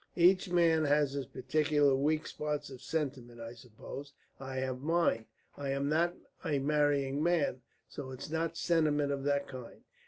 "Each man has his particular weak spot of sentiment, I suppose. I have mine. I am not a marrying man, so it's not sentiment of that kind.